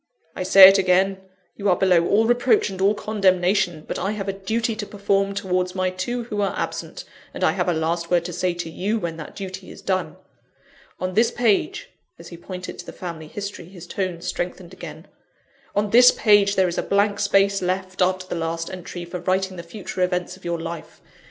"I say it again: you are below all reproach and all condemnation; but I have a duty to perform towards my two who are absent, and I have a last word to say to you when that duty is done. On this page " (as he pointed to the family history, his tones strengthened again) "on this page there is a blank space left, after the last entry, for writing the future events of your life.